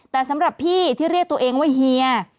แต่สำหรับพี่ที่เรียกตัวเองว่าเฮีย